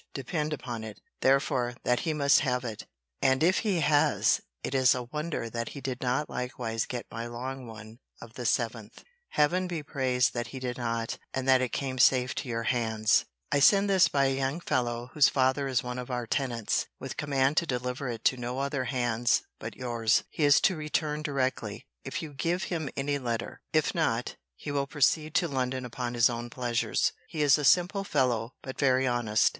Depend upon it, therefore, that he must have it. And if he has, it is a wonder that he did not likewise get my long one of the 7th. Heaven be praised that he did not; and that it came safe to your hands! * See Vol. V. Letters XXI. and XXII. I send this by a young fellow, whose father is one of our tenants, with command to deliver it to no other hands but your's. He is to return directly, if you give him any letter. If not, he will proceed to London upon his own pleasures. He is a simple fellow; but very honest.